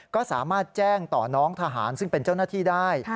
ก็สามารถแจ้งต่อน้องทหารซึ่งเป็นเจ้าหน้าที่ได้